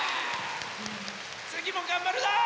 つぎもがんばるぞ！